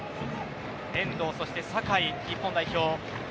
遠藤そして酒井、日本代表